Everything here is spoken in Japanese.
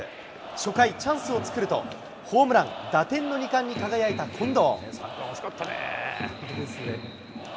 初回、チャンスを作ると、ホームラン、打点の２冠に輝いた近藤。